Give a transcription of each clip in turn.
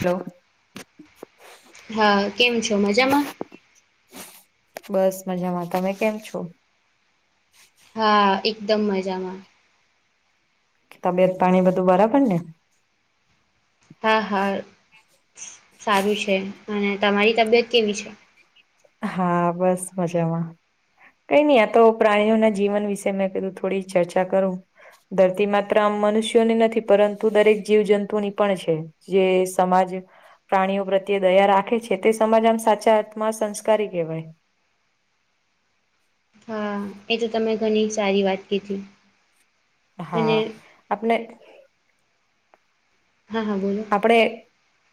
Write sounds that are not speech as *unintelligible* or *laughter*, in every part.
Hello હા, કેમ છો મજામાં? બસ, મજામાં, તમે કેમ છો? હા, એકદમ મજામાં. તબિયત પાણી બધું બરાબર ને. હા હા સારું છે અને તમારી તબિયત કેવી છે. હા બસ મજામાં. કઈ નઈ આ તો પ્રાણીઓના જીવન વિશે મેં કીધું થોડી ચર્ચા કરું. ધરતી માત્ર આમ મનુષ્યોની નથી પરંતુ દરેક જીવજંતુની પણ છે. જે સમાજ પ્રાણીઓ પ્રત્યે દયા રાખે છે તે સમાજ આમ સાચા અર્થમાં સંસ કારી કેહવાય. હા એ તો તમે ઘની સારી વાત કીધી. હા અને આપણે હા હા બોલો. આપણે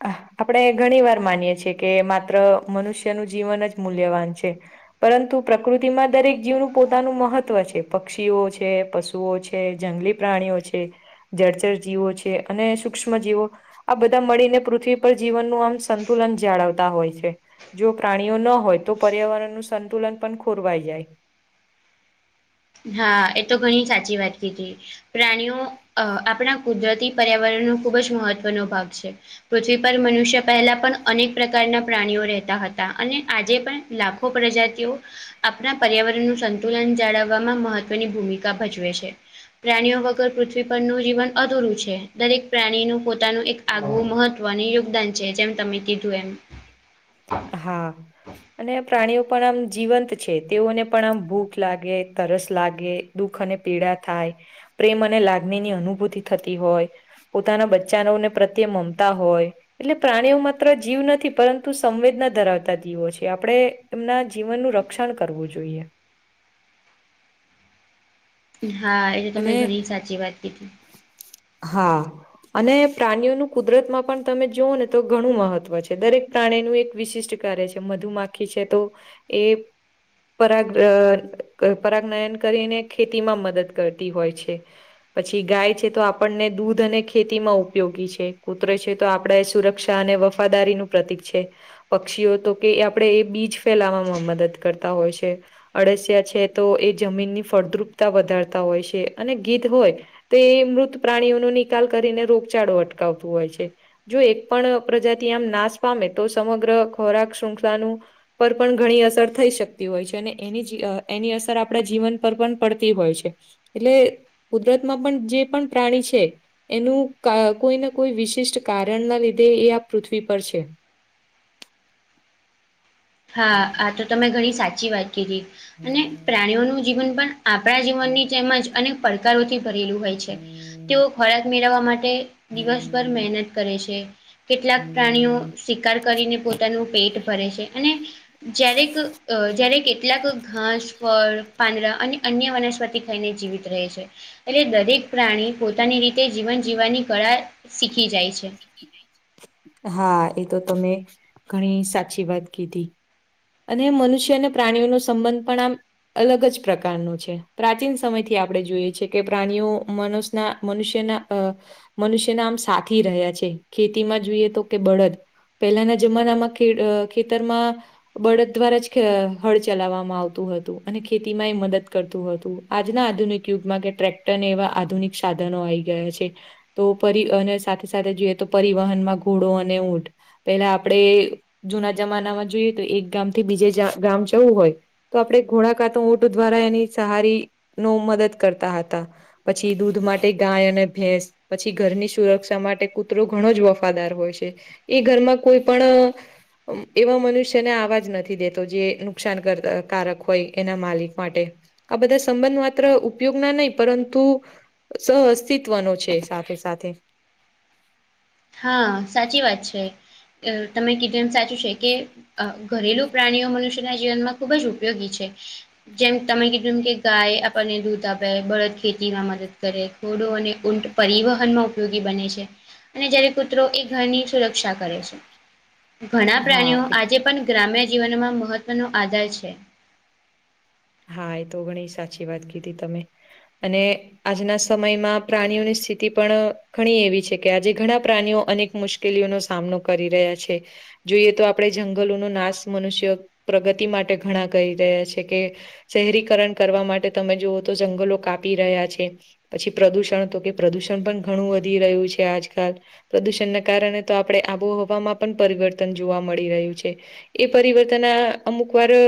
આપણે ઘણી વાર માનીએ છીએ કે માત્ર મનુષ્યનું જીવન જ મૂલ્યવાન છે. પરંતુ પ્રકૃતિમાં દરેક જીવનું પોતાનું મહત્વ છે પક્ષીઓ છે પશુ વતુઓ છે જંગલી પ્રાણીઓ છે જર્જર જીવો છે અને સૂક્ષ્મ જીવો આ બધા મળીને પૃથ્વી પર જીવનનું આમ સંતુલન જાળવતા હોય છે. જો પ્રાણીઓ ન હોય તો પર્યાવરણનું સંતુલન પણ ખોરવાઈ જાય. હા એ તો ઘણી સાચી વાત કીધી. પ્રાણીઓ અ આપણા કુદરતી પર્યાવરણનો ખુબ જ મહત્વનો ભાગ છે. પૃથ્વી પર મનુષ્ય પહેલા પણ અનેક પ્રકારના પ્રાણીઓ રહેતા હતા અને આજે પણ લાખો પ્રજાતિઓ આપણા પર્યાવરણ નું સંતુલન જાળવ વા મહત્વની ભૂમિકા ભજવે છે. પ્રાણીઓ વગર પૃથ્વી પરનું જીવન અધૂરું છે દરેક પ્રાણીનું પોતાનું એક આગવું મહત્વનું યોગદાન છે જેમ તમે કીધું એમ. હા. અને પ્રાણીઓ પણ આમ જીવંત છે તેઓને પણ આમ ભૂખ લાગે તરસ લાગે. દુઃખ અને પીડા થાય પ્રેમ અને લાગણી ની અનુભૂતિ થતી હોય. પોતાના બચ્ચાનોને પ્રત્યે મમતા હોય એટલે પ્રાણીઓ માત્ર જીવ નથી પરંતુ સંવેદના ધરાવતા જીવો છે આપણે એમના જીવનનું રક્ષણ કરવું જોઈએ. *unintelligible* હા એ તો અને તમે ઘણી સાચી વાત કીધી હા. અને પ્રાણીઓનું કુદરત માં પણ તમે જોઓ ને તો ઘણું મહત્વ છે દરેક પ્રાણી એક વિશિષ્ટ કાર્ય છે મધુમાખી છે તો એ પરાગ અ પરાગયન કરીને ખેતી માં મદદ કરતી હોય છે. પછી ગાય છે તો આપણને દૂધ અને ખેતીમાં ઉપયોગી છે કૂતરે છે તો આપણે સુરક્ષા અને વફાદારીનું પ્રતિક છે. પક્ષીઓ તો કે આપણેે એ બીજ ફેલાવામાં મદદ કરતા હોય છે. અળસિયા છે તો એ જમીનની ફળદ્રુપતા વધારતા હોય છે અને ગીધ હોય. તે એ મૃત પ્રાણીઓનો નિકાલ કરીને રોગચાળો અટકાવતું હોય છે. જો એક પણ પ્રજાતિ આમ નાશ પામે તો સમગ્ર ખોરાક શૃખલાનું પર પણ ઘણી અસર થઈ શકતી હોય છે અને એની અ એની અસર આપણા જીવન પર પણ પડતી હોય છે. એટલે કુદરત માં પણ જે પણ પ્રાણી છે. એનું ક કોઈને કોઈ વિશિષ્ટ કારણ ના લીધે એ આ પૃથ્વી પર છે. હા આ તો તમે ઘણી સાચી વાત કધી અને પ્રાણીઓનું જીવન પણ આપણા જીવનની જેમજ અનેક પડકારોથી ભરેલું હોય. છે તેઓ ખોરાક મેળવવા માટે દિવસભર મહેનત કરે છે. કેટલાક પ્રાણીઓ શિકાર કરીને પોતાનું પેટ ભરે છે અને જય્યારેક અ જ્યારે કેટલાક ઘાસ ફળ પાંદડા અને અન્ય વનસ્પતિ ખાઈને જીવિત રહે છે. એટલે દરેક પ્રાણી પોતાની રીતે જીવન જીવવાની કળા શીખી જાય છે. હા એ તો તમે ઘણી સાચી વાત કીધી. અને મનુષ્ય અને પ્રાણીઓનો સંબંધ પણ આમ અલગ જ પ્રકારનો છે પ્રાચીન સમયથી આપણે જોઈએ છીએ કે પ્રાણીઓ મનુશ ના મનુષ્યના અ મનુષ્યના આમ સાથી રહ્યા છે. ખેતીમાં જોઈએ તો કે બળદ પહેલાના જમાનામાં ખેડ ખેતરમાં બળદ દ્વારા જ હ હળ ચલાવવામાં આવતું હતું અને ખેતી માં એ મદદ કરતું હતું. આજના આધુનિક યુગમાં કે ટ્રેક્ટર ને એવા આધુનિક સાધનો આઇ ગયા છે. તો પરી અને સાથે સાથે જોઈએ તો પરિવહનમાં ઘોડો અને ઊંટ પેલા આપણેે જુના જમાનામાં જોઈએ તો એક ગામ થી બીજે જા ગામ જવું હોય. તો આપણેે ઘોડાકા તો ઉટું દ્વારા એની સહારી નો મદદ કરતા હતા પછી દૂધ માટે ગાય અને ભેંસ પછી ઘરની સુરક્ષા માટે કૂતરો ઘણો જ વફાદાર હોય છે એ ઘરમાં કોઈ પણ એવા મનુષ્યને આવાજ નથી દેતો જે નુકસાન કર કારક હોય એના માલિક માટે આ બધા સંબંધ માત્ર ઉપયોગ ના નહી પરંતુ સહ અસ્તિત્વનો છે સાથે સાથે હા સાચી વાત છે અ તમે કીધું એમ સાચું છે કે અ ઘરેલુ પ્રાણીઓ મનુષ્યના જીવનમાં ખુબ જ ઉપયોગી છે. જેમ તમે કીધું એમ કે ગાય આપણને દૂધ આપે બળદ ખેતીમાં મદદ કરે. ધોડો અને ઊંટ પરિવહનમાં ઉપયોગી બને છે. અને જયારે કૂતરો એ ઘરની સુરક્ષા કરે છે ઘણા હા પ્રાણીઓ એ- આજે પણ ગ્રામ્ય જીવનમાં મહત્વનો આધાર છે. હા એ તો ઘણી સાચી વાત કીધી તમે અને આજના સમયમાં પ્રાણીઓની સ્થિતિ પણ ઘણી એવી છે કે આજે ઘણા પ્રાણીઓ અનેક મુશ્ મુશ્કેલીઓનો સામનો કરી રહ્યા છે. જોઈએ તો આપણે જંગલોનો નાશ મનુષ્ય પ્રગતિ માટે ઘણા કરી રહ્યા છે કે શહેરીકરણ કરવા માટે તમે જોઓ તો જંગલો કાપી રહ્યા છે. પછી પ્રદુષણ તો કે પ્રદુષણ પણ ઘણું વધી રહ્યું છે આજકાલ પ્રદુષણના કારણે તો આપણેે આબોહવામાં પણ પરિવર્તન જોવા મળી રહ્યું છે. એ પરિવર્તનના અમુક વાર અ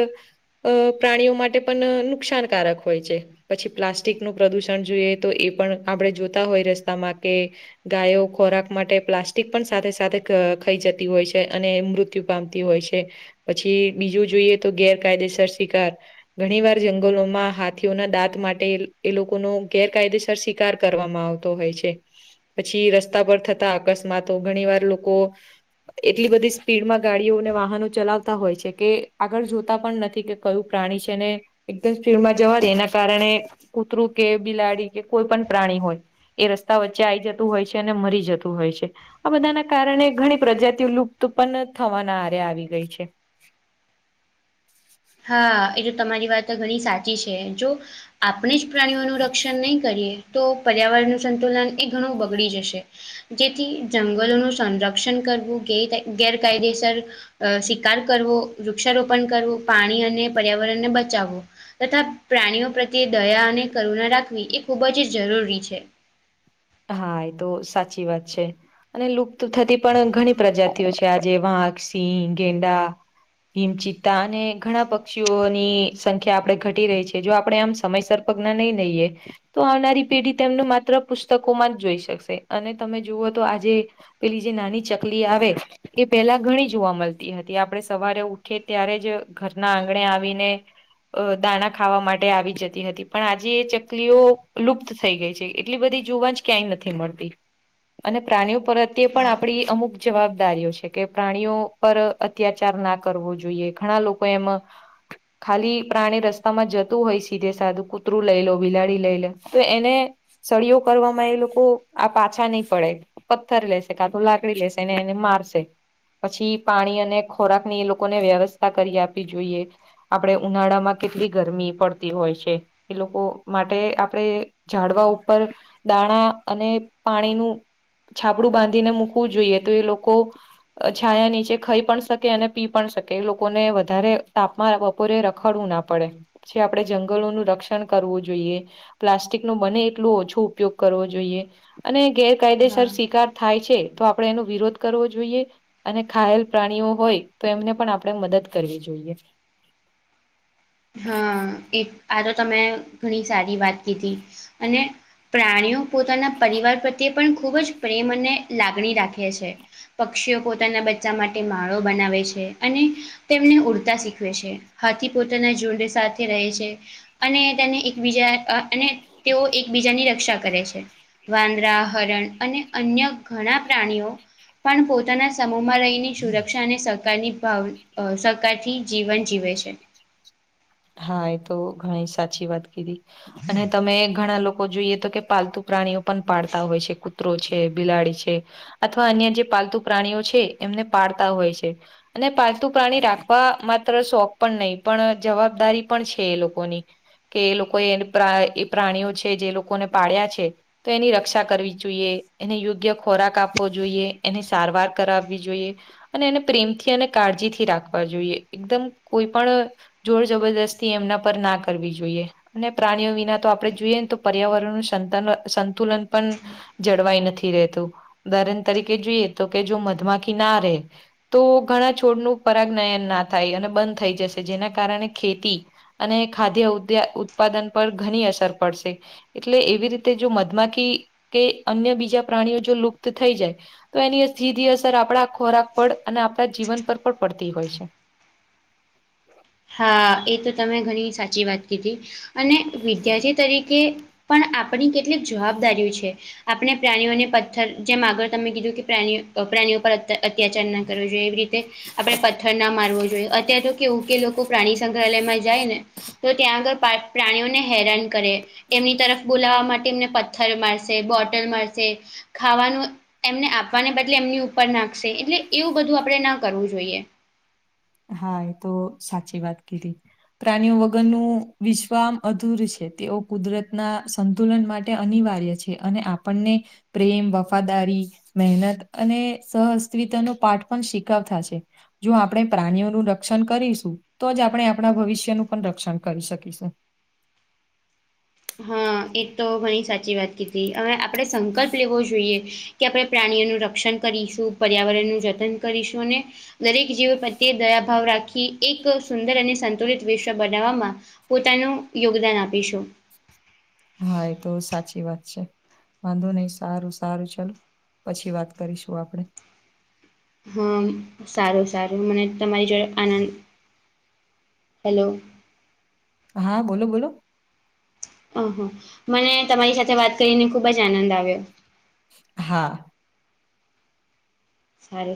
પ્રાણીઓ માટે પણ નુકસાનકારક હોય છે. પછી પ્લાસ્ટિક નું પ્રદુષણ જોઈએ તો એ પણ આપણે જોતા હોય રસ્તામાં કે ગાયો ખોરાક માટે પ્લાસ્ટિક પણ સાથે સાથે અ ખાઈ જતી હોય છે અને મૃતુ મૃત્યુ પામતી હોય છે પછી બીજું જોઈએ તો ગેરકાયદેસર શિકાર ઘણી વાર જંગલોમાં હાથીઓના દાંત માટે એ લોકોનો ગેરકાયદેસર શિક શિકાર કરવામાં આવતો હોય છે. પછી રસ્તા પર થતા અકસ્માતો ઘણી વાર લોકો એટલી બધી સ્પીડમાં ગાડીઓને વાહનો ચલાવતા હોય છે કે આગળ જોતા પણ નથી કે કયું પ્રાણી છે. તેને એકદમ સ્પીડમાં જવા દે જેના કારણે કૂતરું કે બિલાડી કે કોઈ પણ પ્રાણી હોય એ રસ્તા વચ્ચે આઈ જતું હોય છે અને મરી જતું હોય છે. આ બધા ના કારણે ઘણી પ્રજાતિઓ લુપ્ત પણ થવાના આરે આવી ગઈ છે. હા એ તો તમારી વાતો ઘણી સાચી છે જો આપણે જ પ્રાણીઓનું રક્ષણ નહીં કરીએ તો પર્યાવરણનું સંતુલન એ ઘણું બગડી જશે. જેથી જંગલોનું સંરક્ષણ કરવું ગેર ગેરકાયદેસર અ શિકાર કરવો વૃક્ષારોપણ કરવું પાણી અને પર્યાવરણને બચાવવું તથા પ્રાણીઓ પ્રત્યે દયા અને કરુણા રાખવી એ ખૂબ જ જરૂરી છે. હા એ તો સાચી વાત છે અને લુપ્ત થતી પણ ઘણી પ્રજા તીયો છે આજે વાંક સિંહ ગેંડા હિમચિત્તા અને ઘણા પક્ષીઓની સંખ્યા આપણેે ઘટી રહી છે જો આપડણે આમ સમયસર પગલા નહી દઈએ તો આવનારી પેઢી તેમનું માત્ર પુ પુસ્તકો માં જ જોઈ શકશે અને તમે જુવઓ તો આજે પેલી જે નાની ચકલી આવે એ પેલા ઘણી જોવા મળતી હતી આપણે સવારે ઉઠી ત્યારે જ ઘરના આંગણે આવીને અ દાના ખાવા માટે આવી જતી હતી પણ આજે એ ચકલીઓ લુપ્ત થઈ ગઈ છે એટલી બધી જોવા જ ક્યાંય નથી મળતી અને પ્રાણીઓ પ્રત્યે પણ આપણી અમુક જવાબદારીઓ છે કે પ્રાણીઓ પર અત્યાચાર ના કરવો જોઈએ ઘણા લોકો એમ ખાલી પ્રાણી રસ્તામાં જતું હોય સીધે સાધું કૂતરું લઈ લો બિલાડી લઈ લે તો એને સળયો કરવામાં એ લોકો આ પાછા નહી પડે. પથ્થર લેશે કાતો લાકડી લેશે એને મારશે. પછી પાણી અને ખોરાક ની એ લોકોને વ્યવસ્થા કરી આપવી જોઈએ. આપડે ઉનાળામાં કેટલી ગરમી પડતી હોય છે. એ લોકો માટે આપડે ઝાડવા ઉપર દાણા અને પાણીનું છાપડું બાંધીને મૂકવું જોઈએ તો એ લોકો અ છાયા નીચે ખાઈ પણ શકે અને પી પણ શકે એ લોકોને વધારે તાપ મારે બપોરે રખડવું ના પડે. જે આપડણે જંગલોનું રક્ષણ કરવું જોઈએ પ્લાસ્ટિક નું બને એટલું ઓછો ઉપયોગ કરવો જોઈએ અને ગેરકાયદેસર હા શિકાર થાય છે તો આપડે એનો વિરોધ કરવો જોઈએ. અને ધાયેલ પ્રાણીઓ હોય તો એમને પણ આપણે મદદ કરવી જોઈએ. *inaudible* હા એ આ તો તમે ઘણી સારી વાત કીધી અને પ્રાણીઓ પોતાના પરિવાર પ્રત્યે પણ ખૂબ જ પ્રેમ અને લાગણી રાખે છે. પક્ષીઓ પોતાના બચ્ચા માટે માળો બનાવે છે અને તેમને ઉડતા શીખવે છે હાથી પોતે ના જોડે સાથે રહે છે અને તેને એકબીજા અને તેઓ એકબીજાની રક્ષા કરે છે. વાંદરા હરણ અને અન્ય ઘણા પ્રાણીઓ પણ પોતાના સમૂહમાં રહીને સુરક્ષા અને સહકારની ભાવ અ સહકારથી જીવન જીવે છે. હા એ તો ઘણી સાચી વાત કીધી અને તમે ઘણા લોકો જોઈએ તો કે પાલતુ પ્રાણીઓ પણ પાડતા હોય છે. કૂતરો છે. બિલાડી છે. અથવા અન્ય જે પાલતુ પ્રાણીઓ છે એમને પાળતા હોય છે. અને પાલતુ પ્રાણી રાખવા માત્ર શોખ પણ નહીં પણ જવાબ જવાબદારી પણ છે એ લોકોની. કે એ લોકો એને પ્રા એ પ્રાણીઓ છે. જે લોકોને પાડ્યા છે. તો એની રક્ષા કરવી જોઈએ. એને યોગ્ય ખોરાક આપવો જોઈએ. એની સારવાર કરાવવી જોઈએ. અને એને પ્રેમથી અને કાળજીથી રાખવા જોઈએ. એકદમ કોઈ પણ જોર જબરદસ્તી એમના પર ના કરવી જોઈએ. અને પ્રાણીઓ વિના તો આપણે જોઈએ ને તો પર્યાવરણ નુ સંત સંતુલન પણ જળવાઈ નથી રહેતું ઉદાહરણ તરીકે જોઈએ તો કે જો મધમાખી ના રહે તો ઘણા છોડનું પરાગ નયન ના થાય અને બંધ થઈ જશે જેના કારણે ખેતી અને ખાદ્ય ઉ ઉત્પાદન પર ઘણી અસર પડશે. એટલે એવી રીતે જો મધમાખી કે અન્ય બીજા પ્રાણીઓ જો લુપ્ત થઈ જાય તો એની સીધી અસર આપણા ખોરાક પર અને આપણા જીવન પર પણ પડતી હોય છે. હા એ તો તમે ઘણી સાચી વાત કીધી અને વિદ્યાર્થી તરીકે પણ આપણી કેટલીક જવાબદારીઓ છે. આપણે પ્રાણીઓને પથ્થર જેમ આગળ તમે કીધું કે પ્રાણીઓ પ્રાણીઓ પર અત્યાચાર ના કરવો જોઈએ. એવી રીતે આપણેે પથ્થર ના મારવો જોઈએ. અત્યારે તો કેવું કે લોકો પ્રાણી સંગ્રહાલયમાં જાય ને તો ત્યાં આગળ પ્રા પ્રાણીઓને હેરાન કરે એમની તરફ બોલાવવા માટે એમને પથ્થર મારશે બોટલ મારશે. ખાવાનું એમને આપવાને બદલે એમની ઉપર નાખશે એટલે એવું બધું આપણે ના કરવું જોઈએ. હા એ તો સાચી વાત કીધ હતી. પ્રાણીઓ વગરનું વિશ્વામ અધૂર છે. તેઓ કુદરતના સંતુલન માટે અનિવાર્ય છે. અને આપણને પ્રેમ વફાદારી મહેનત અને સહઅસ્વતા નો પાઠ પણ શીખાવતા છે. જો આપણેે પ્રાણીઓ નું રક્ષણ કરીશ તો જ આપણે આપણા ભવિષ્યનું પણ રક્ષણ કરી શકીશું. હા એ તો મને સાચી વાત કીધી હવે આપણે સંકલ્પ લેવો જોઈએ. કે આપણે પ્રાણીઓનું રક્ષણ કરીશું પર્યાવરણનું જતન કરીશું અને દરેક જીવ પ્રત્યે દયાભાવ રાખી એક સુંદર અને સંતુલિત વિશ્વ બનાવવામાં પોતાનું યોગદાન આપીશું. હા એ તો સાચી વાત છે. વાંધો નહી સારું સારું ચાલું પછી વાત કરીશું આપડે. હા સારું સારું મને તમારી જોડ આનંદ હેલો- - હા બોલો બોલો- - ઓહ મને તમારી સાથે વાત કરીને ખુબ જ આનંદ આવ્યો. હા. સારુ.